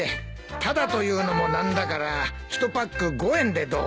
タダというのもなんだから１パック５円でどう？